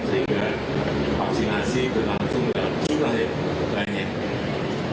sehingga vaksinasi berlangsung dalam seluruh tanah air